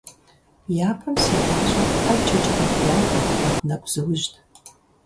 Япэм си гъащӀэр ІэджэкӀэ нэхъ дахэт, нэхъ нэгузыужьт